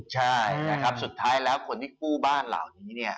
ใช่นะครับสุดท้ายแล้วคนที่กู้บ้านเหล่านี้เนี่ย